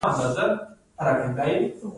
میریت یو هنر دی